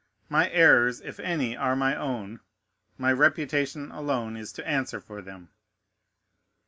My errors, if any, are my own. My reputation alone is to answer for them.